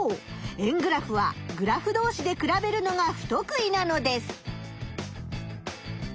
円グラフはグラフどうしで比べるのがふとく意なのです。